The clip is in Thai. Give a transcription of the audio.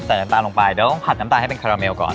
น้ำตาลลงไปเดี๋ยวต้องผัดน้ำตาลให้เป็นคาราเมลก่อน